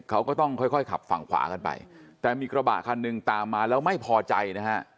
เขาก็ต้องค่อยค่อยขับฝั่งขวากันไปแต่มีกระบะคันหนึ่งตามมาแล้วไม่พอใจนะฮะ